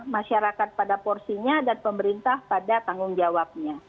masyarakat pada porsinya dan pemerintah pada tanggung jawabnya